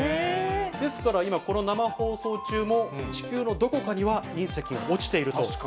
ですから、今、この生放送中も、地球のどこかには隕石が落ちていると。